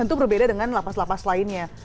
tentu berbeda dengan lapas lapas lainnya